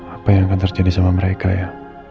apa yang akan terjadi sama mereka ya